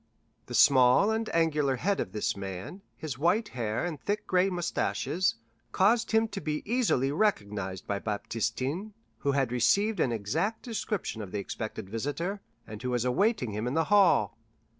The small and angular head of this man, his white hair and thick gray moustaches, caused him to be easily recognized by Baptistin, who had received an exact description of the expected visitor, and who was awaiting him in the hall.